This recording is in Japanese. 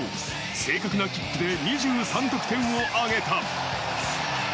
正確なキックで２３得点を挙げた。